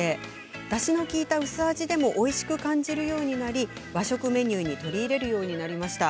だしの利いた薄味でもおいしく感じるようになり和食メニューに取り入れるようになりました。